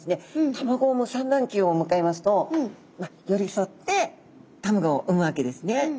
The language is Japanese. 卵を産む産卵期を迎えますと寄り添って卵を産むわけですね。